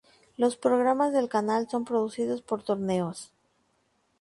Los programas del canal son producidos por Torneos.